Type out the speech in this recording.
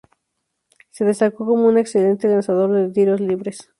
Se destacó como un excelente lanzador de tiros libres.